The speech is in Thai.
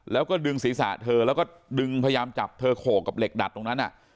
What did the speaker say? แล้วก็ดึงศีรษะเธอแล้วก็ดึงพยายามจับเธอโขกกับเหล็กดัดตรงนั้น